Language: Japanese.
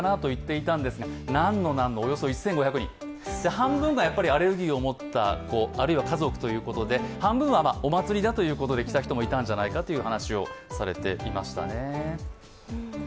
半分が、アレルギーを持った家族ということで、半分はお祭りだということできた人もいたんじゃないかという話をされていました。